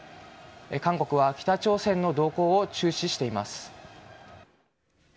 韓国は北朝鮮の動向を注視しています。